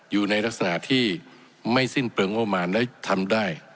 อยู่ในลักษณะที่ไม่สิ้นเปลืองงบมารและทำได้